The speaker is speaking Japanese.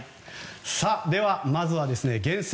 では、まずは厳選！